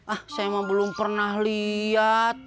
ah saya belum pernah lihat